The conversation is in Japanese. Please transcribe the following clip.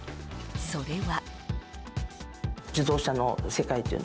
それは。